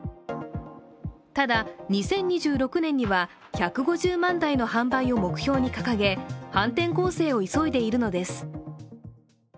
ただ、２０２６年には１５０万台の販売を目標に掲げ、反転攻勢を急いでいるのです。